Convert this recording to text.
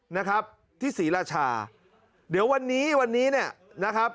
นะครับที่ศรีราชาเดี๋ยววันนี้นะครับ